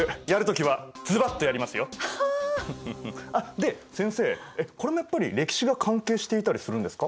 で先生これもやっぱり歴史が関係していたりするんですか？